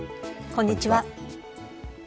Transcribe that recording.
こんにちは。